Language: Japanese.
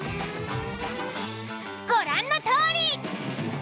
ご覧のとおり！